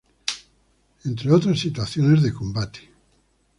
Entre otras situaciones de combate.